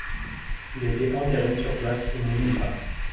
Il a été enterré sur place au Mont Nimba.